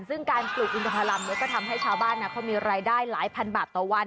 ซึ่งการปลูกอินทพรรมก็ทำให้ชาวบ้านเขามีรายได้หลายพันบาทต่อวัน